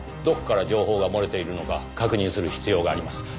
どこから情報が漏れているのか確認する必要があります。